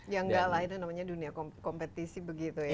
yang galah itu namanya dunia kompetisi begitu ya